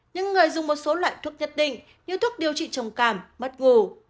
những người dùng một số loại thuốc nhất định như thuốc điều trị trầm cảm mất ngủ